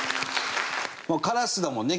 カラスだもんね？